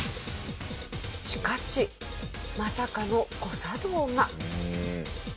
しかしまさかの誤作動が。